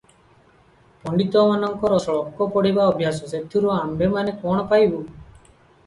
ପଣ୍ତିତମାନଙ୍କର ଶ୍ଳୋକ ପଢ଼ିବା ଅଭ୍ୟାସ, ସେଥିରୁ ଆମ୍ଭେମାନେ କ'ଣ ପାଇବୁ?